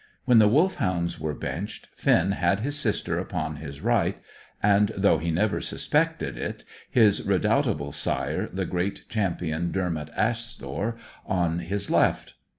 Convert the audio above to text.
When the Wolfhounds were benched, Finn had his sister upon his right, and (though he never suspected it) his redoubtable sire, the great Champion Dermot Asthore, on his left.